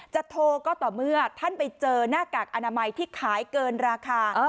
โทรก็ต่อเมื่อท่านไปเจอหน้ากากอนามัยที่ขายเกินราคา